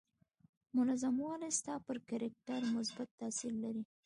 منظم والی ستا پر کرکټر مثبت تاثير لري.